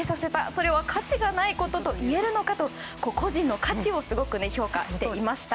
それは価値がないことといえるのかと個人の価値をすごく評価していました。